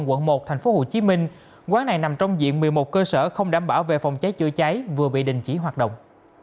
quận một thành phố hồ chí minh quán này nằm trong diện một mươi một cơ sở không đảm bảo về phòng cháy chữa cháy vừa bị đình chỉ hoạt động